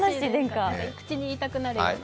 口で言いたくなるような。